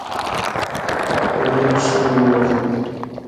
هغې پښې وروغځولې.